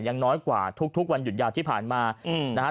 ยังน้อยกว่าทุกวันหยุดยาวที่ผ่านมานะครับ